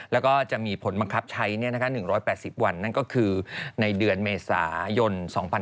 แล้วก็จะมีผลบังคับใช้๑๘๐วันนั่นก็คือในเดือนเมษายน๒๕๖๒